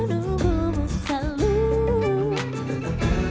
tentang sesuatu pengorbanan